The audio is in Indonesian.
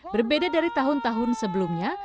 berbeda dari tahun tahun sebelumnya